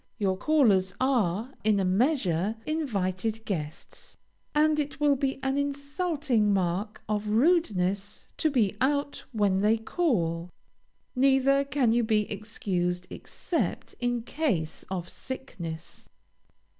Your callers are, in a measure, invited guests, and it will be an insulting mark of rudeness to be out when they call. Neither can you be excused, except in case of sickness.